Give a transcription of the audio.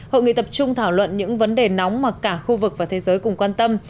hội nghị tập trung thảo luận những vấn đề nóng mà cả khu vực và thế giới cùng quan tâm